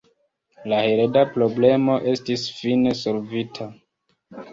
La hereda problemo estis fine solvita.